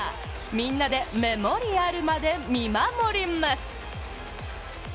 みんなでメモリアルまで見守ります。